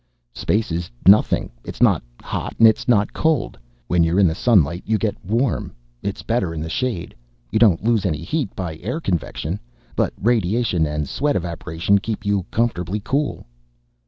"Space is nothing. It's not hot and it's not cold. When you're in the sunlight you get warm. It's better in the shade. You don't lose any heat by air convection, but radiation and sweat evaporation keep you comfortably cool."